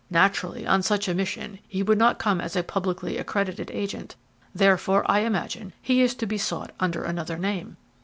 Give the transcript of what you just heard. Naturally, on such a mission, he would not come as a publicly accredited agent, therefore, I imagine, he is to be sought under another name."